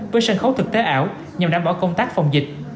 với sân khấu thực tế ảo nhằm đảm bảo công tác phòng dịch